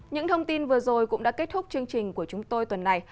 những thông tin vừa rồi cũng đã kết thúc chương trình của chúng tôi tuần này